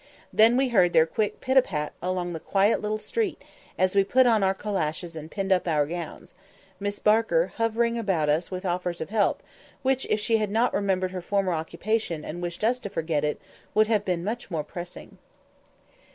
Then we heard their quick pit a pat along the quiet little street as we put on our calashes and pinned up our gowns; Miss Barker hovering about us with offers of help, which, if she had not remembered her former occupation, and wished us to forget it, would have been much more pressing.